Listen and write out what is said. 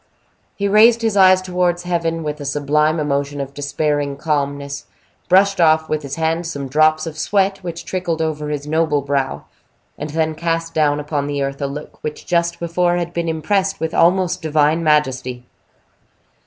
He raised his eyes towards heaven, with a sublime emotion of despairing calmness, brushed off with his hand some drops of sweat which trickled over his noble brow, and then cast down upon the earth a look which just before had been impressed with almost divine majesty.